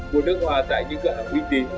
mùa nước hoa tại những cửa hàng uy tín